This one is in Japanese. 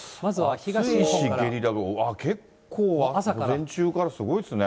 暑いし、ゲリラ豪雨、結構、午前中からすごいですね。